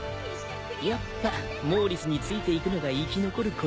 やっぱモーリスについていくのが生き残るコツだな。